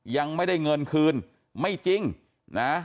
ยังไม่ได้เงินคืนไม่จริงนะ